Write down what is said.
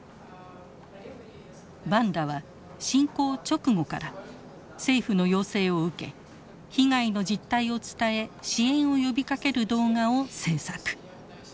バンダは侵攻直後から政府の要請を受け被害の実態を伝え支援を呼びかける動画を制作。